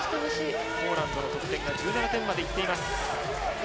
ポーランドの得点が１７点までいっています。